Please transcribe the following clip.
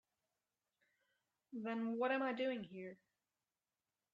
Then what am I doing here?